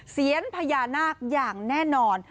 เสียนพญานาคอย่างแน่นอน